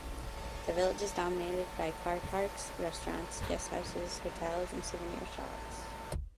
The village is dominated by car parks, restaurants, guesthouses, hotels and souvenir shops.